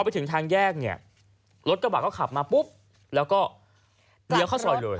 ไปถึงทางแยกเนี่ยรถกระบะก็ขับมาปุ๊บแล้วก็เลี้ยวเข้าซอยเลย